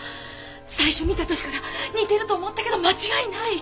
最初見た時から似てると思ったけど間違いない。